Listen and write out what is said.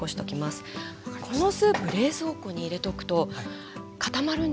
このスープ冷蔵庫に入れておくと固まるんですよ。